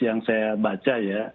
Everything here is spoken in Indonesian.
yang saya baca ya